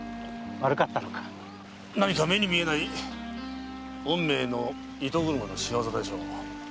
何か目に見えない運命の糸車の仕業でしょう。